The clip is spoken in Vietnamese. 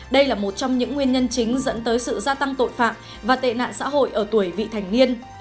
đây là một trong những nguyên nhân chính dẫn tới sự gia tăng tội phạm và tệ nạn xã hội ở tuổi vị thành niên